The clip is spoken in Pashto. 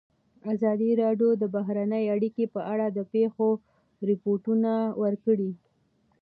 ازادي راډیو د بهرنۍ اړیکې په اړه د پېښو رپوټونه ورکړي.